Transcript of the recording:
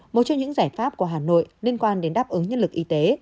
một trong những giải pháp của hà nội liên quan đến đáp ứng nhân lực y tế